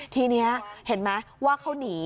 ที่นี้เผยว่าเขาหนี